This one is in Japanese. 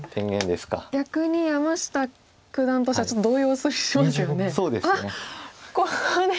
逆に山下九段としてはちょっと動揺しますよね。